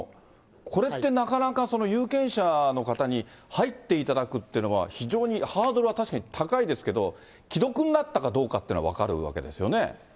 これってなかなか、有権者の方に入っていただくっていうのは、非常にハードルが確かに高いですけど、既読になったかどうかというのは分かるわけですよね。